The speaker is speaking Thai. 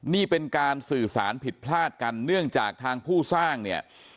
นี่เป็นการสื่อสารผิดพลาดกันเนื่องจากทางผู้สร้างเนี่ย